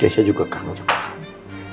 ya saya juga kangen sama kamu